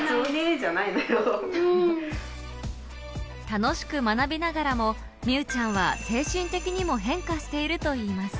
楽しく学びながらも美羽ちゃんは精神的にも変化しているといいます。